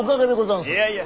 いやいや。